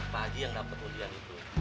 pak haji yang dapet ulian itu